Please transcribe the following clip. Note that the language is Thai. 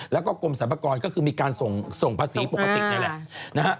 แล้วก็กรมสรรพากรก็คือมีการส่งภาษีปกตินี่แหละนะฮะ